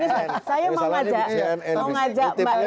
saya mau ngajak mbak lea